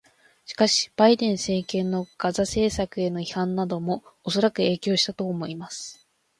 しかし、バイデン政権のガザ政策への批判などもおそらく影響したと思います。